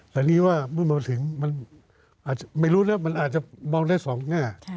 แต่นี่ว่าเมื่อมันถึงไม่รู้นะมันอาจจะมองได้๒หน้า